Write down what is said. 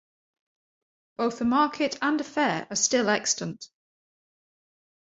Both a market and a fair are still extant.